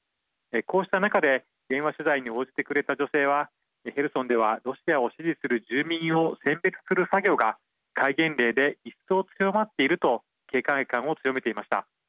こうした中で電話取材に応じてくれた女性はヘルソンではロシアを支持する住民を選別する作業が戒厳令で一層、強まっていると警戒感を強めていました。